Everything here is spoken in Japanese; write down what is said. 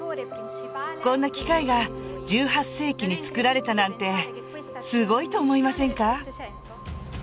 こんな機械が１８世紀につくられたなんてすごいと思いませんか？